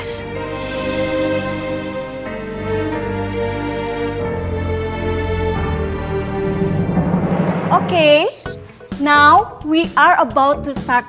sekarang kita akan mulai kelas masak